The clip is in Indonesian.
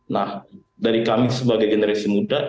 nah dari kami sebagai generasi muda